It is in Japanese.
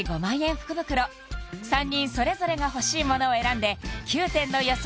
福袋３人それぞれが欲しいものを選んで９点の予想